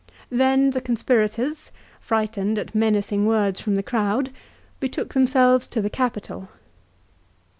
Then the conspirators, frightened at menacing words from the crowd, betook themselves to the Capitol.